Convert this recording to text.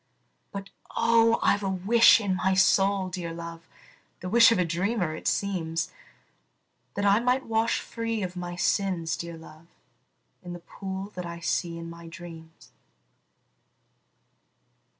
But, oh, I 've a wish in my soul, dear love, (The wish of a dreamer, it seems,) That I might wash free of my sins, dear love, In the pool that I see in my dreams.